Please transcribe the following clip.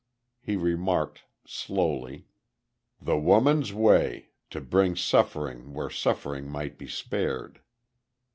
He remarked, slowly: "The woman's way: To bring suffering where suffering might be spared."